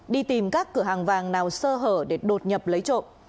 đi tìm các cửa hàng vàng nào sơ hở để đột nhập lấy trộm